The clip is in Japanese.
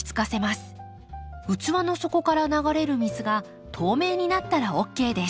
器の底から流れる水が透明になったらＯＫです。